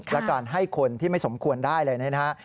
และการให้คนที่ไม่สมควรได้เลยนะครับ